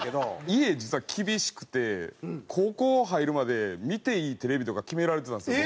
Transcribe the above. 家実は厳しくて高校入るまで見ていいテレビとか決められてたんですよ